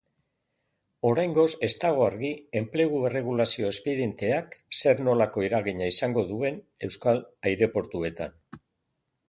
Oraingoz ez dago argi enplegu erregulazio espedienteak zer-nolako eragina izango duen euskal aireportuetan.